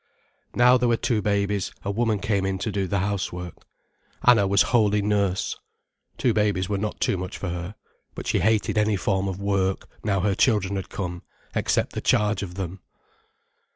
Now there were two babies, a woman came in to do the housework. Anna was wholly nurse. Two babies were not too much for her. But she hated any form of work, now her children had come, except the charge of them.